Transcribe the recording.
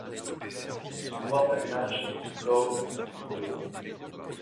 Son port d'attache était Cowes à l'île de Wight.